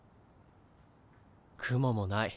雲もない。